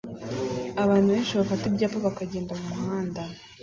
Abantu benshi bafata ibyapa bakagenda mumuhanda